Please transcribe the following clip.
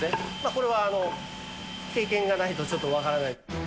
これは経験がないとちょっと分からない。